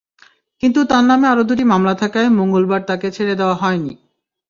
কিন্তু তাঁর নামে আরও দুটি মামলা থাকায় মঙ্গলবার তাঁকে ছেড়ে দেওয়া হয়নি।